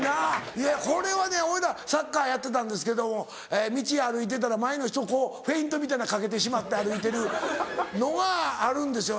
いやこれはねおいらサッカーやってたんですけども道歩いてたら前の人をこうフェイントみたいなかけてしまって歩いてるのがあるんですよ